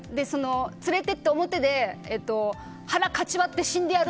連れてって表で腹をかち割って死んでやる！